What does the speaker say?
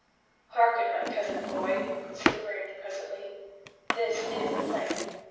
"Hearken, my cousin Foy," said Brant presently, "this is the plan.